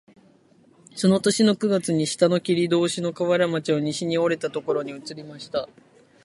その年の九月に下の切り通しの河原町を西に折れたところに移りました